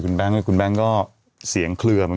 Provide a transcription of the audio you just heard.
คุณแบงค์เนี่ยคุณแบงค์ก็เกลืองวิธี